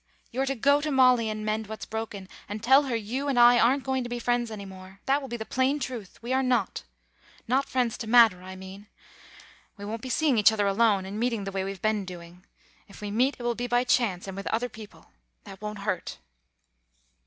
You're to go to Molly and mend what's broken, and tell her you and I aren't going to be friends any more. That will be the plain truth. We are not. Not friends to matter, I mean. We won't be seeing each other alone and meeting the way we've been doing. If we meet it will be by chance, and with other people; that won't hurt."